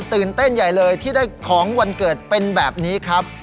ตื่นเต้นใหญ่เลยที่ได้ของวันเกิดเป็นแบบนี้ครับ